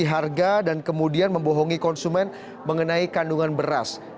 harga dan kemudian membohongi konsumen mengenai kandungan beras